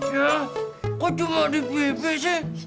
ya kok cuma di pipi sih